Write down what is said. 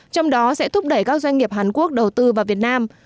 trong đó sẽ thúc đẩy các doanh nghiệp hàn quốc đầu tư vào việt nam